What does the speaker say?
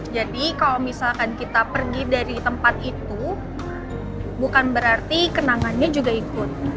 jadi kalau misalkan kita pergi dari tempat itu bukan berarti kenangannya juga ikut